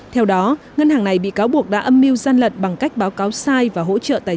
hai nghìn tám theo đó ngân hàng này bị cáo buộc đã âm mưu gian lận bằng cách báo cáo sai và hỗ trợ tài